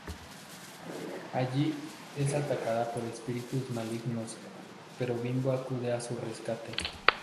Allí es atacada por espíritus malignos, pero Bimbo acude en su rescate.